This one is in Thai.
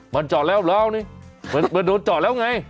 มันจ่อแล้วเรามันโดนจ่อแล้วไง